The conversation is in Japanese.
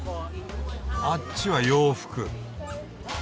あっちは洋服。